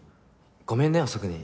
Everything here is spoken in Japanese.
ごめんね遅くに。